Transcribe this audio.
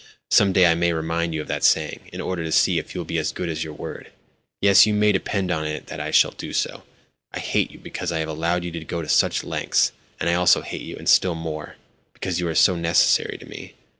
Some day I may remind you of that saying, in order to see if you will be as good as your word. Yes, you may depend upon it that I shall do so. I hate you because I have allowed you to go to such lengths, and I also hate you and still more—because you are so necessary to me.